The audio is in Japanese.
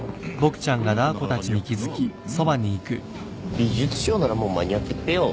美術商ならもう間に合ってっぺよ。